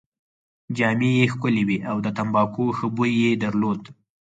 جامې يې ښکلې وې او د تمباکو ښه بوی يې درلود.